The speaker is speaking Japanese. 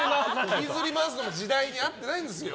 引きずり回すのも時代に合ってないんですよ。